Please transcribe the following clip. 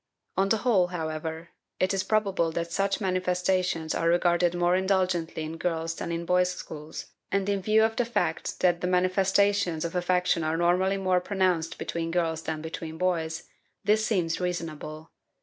On the whole, however, it is probable that such manifestations are regarded more indulgently in girls' than in boys' schools, and in view of the fact that the manifestations of affection are normally more pronounced between girls than between boys, this seems reasonable.